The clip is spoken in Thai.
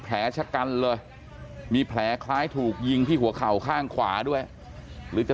แผลชะกันเลยมีแผลคล้ายถูกยิงที่หัวเข่าข้างขวาด้วยหรือจะ